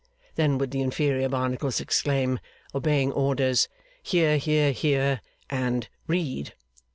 Then would the inferior Barnacles exclaim, obeying orders, 'Hear, Hear, Hear!' and 'Read!